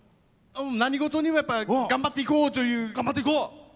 何事にもやっぱ頑張っていこうという気持ちですね。